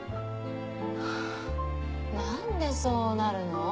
ハァなんでそうなるの？